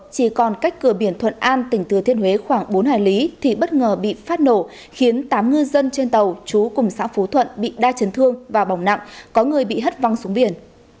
chỉ còn cách cửa biển thuận an tỉnh thừa thiên huế khoảng bốn hải lý thì bất ngờ bị phát nổ khiến tám ngư dân trên tàu trú cùng xã phú thuận bị đa chấn thương và bỏng nặng có người bị hất văng xuống biển